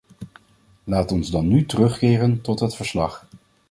Laat ons dan nu terugkeren tot het verslag.